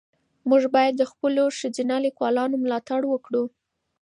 موږ باید د خپلو ښځینه لیکوالو ملاتړ وکړو.